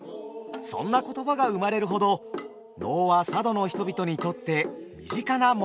そんな言葉が生まれるほど能は佐渡の人々にとって身近なものでした。